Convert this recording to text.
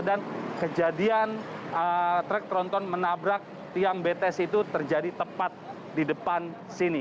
dan kejadian trek tronton menabrak tiang betes itu terjadi tepat di depan sini